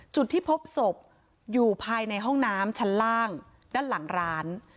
จุดที่พบศพอยู่ภายในห้องน้ำชั้นล่างด้านหลังร้าน